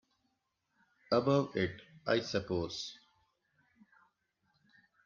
Above it, I suppose?